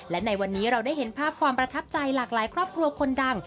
และในวันนี้เราได้เห็นภาพความประทับใจหลากหลายครอบครัวคนดัง